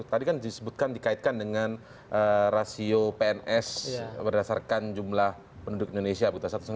tadi kan disebutkan dikaitkan dengan rasio pns berdasarkan jumlah penduduk indonesia